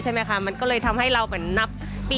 ใช่ไหมคะมันก็เลยทำให้เราเหมือนนับปี